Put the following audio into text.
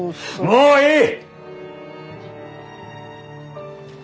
もういい！